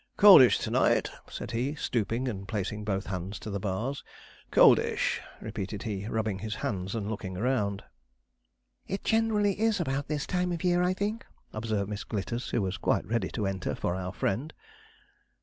'Coldish to night,' said he, stooping, and placing both hands to the bars. 'Coldish,' repeated he, rubbing his hands and looking around. 'It generally is about this time of year, I think,' observed Miss Glitters, who was quite ready to enter for our friend.